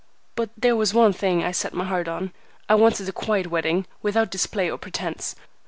But there was one thing I set my heart on. I wanted a quiet wedding, without display or pretence.